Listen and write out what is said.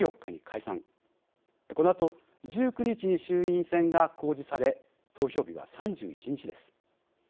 このあと１９日に衆院選が公示され投票日は３１日です。